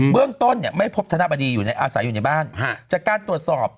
เรื่องต้นเนี่ยไม่พบธนบดีอยู่ในอาศัยอยู่ในบ้านจากการตรวจสอบ